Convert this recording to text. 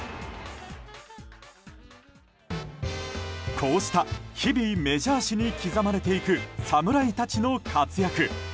こうした日々メジャー史に刻まれていく侍たちの活躍。